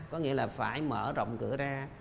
có nghĩa là phải mở rộng cửa ra